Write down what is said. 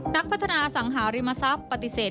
นักพัฒนาสังหาริมทรัพย์ปฏิเสธ